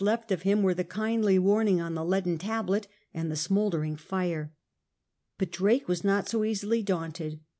left of him were the kindly warning on the leaden tablet and the smouldering fire. But Drake was not so easily daunted.